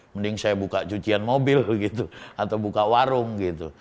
mending saya buka cucian mobil gitu atau buka warung gitu